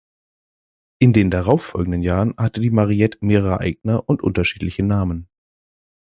In den darauf folgenden Jahren hatte die "Mariette" mehrere Eigner und unterschiedliche Namen.